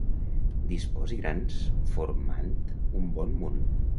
Disposi grans formant un bon munt.